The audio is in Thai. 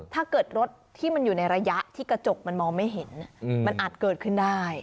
ถ้าเกิดรถที่มันอยู่ในระยะที่กระจกมันมองไม่เห็นมันอาจเกิดขึ้นได้